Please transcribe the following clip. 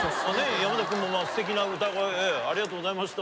山崎君もすてきな歌声ありがとうございました。